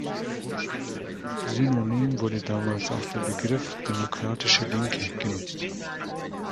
Synonym wurde damals auch der Begriff „Demokratische Linke“ genutzt.